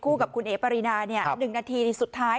คู่กับคุณเอ๊ะปรีนาเนี่ย๑นาทีสุดท้าย